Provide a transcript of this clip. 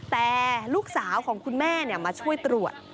แต่ลูกสาวของคุณแม่มาช่วยตรวจ